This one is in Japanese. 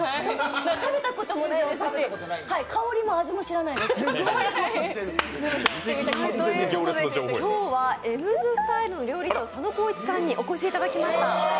食べたこともないですし、香りも、味も知らないです。ということで今日はエムズスタイルの料理長、佐野貢一さんにお越しいただきました。